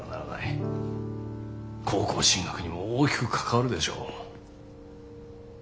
高校進学にも大きく関わるでしょう。